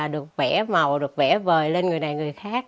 được vẽ màu được vẽ vời lên người này người khác